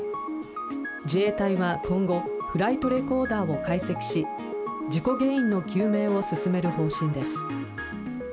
自衛隊は今後、フライトレコーダーを解析し、事故原因の究明を進める方針です。